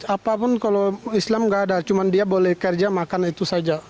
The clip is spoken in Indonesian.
apapun kalau islam nggak ada cuma dia boleh kerja makan itu saja